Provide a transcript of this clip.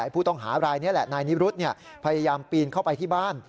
ผู้ต้องหารายนี้แหละนายนิรุธพยายามปีนเข้าไปที่บ้าน